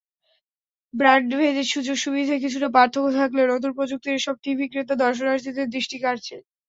ব্র্যান্ডভেদে সুযোগ-সুবিধায় কিছুটা পার্থক্য থাকলেও নতুন প্রযুক্তির এসব টিভি ক্রেতা-দর্শনার্থীদের দৃষ্টি কাড়ছে।